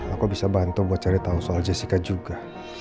aku bisa bantu buat cari tahu soal jessica juga